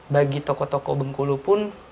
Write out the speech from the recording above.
bagi tokoh tokoh bengkulu pun